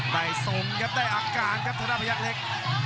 ได้ทรงครับได้อาการครับทุกหน้าพยักเล็ก